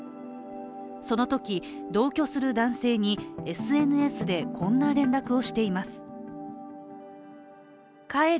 そのとき、同居する男性にＳＮＳでこんな連絡をしています。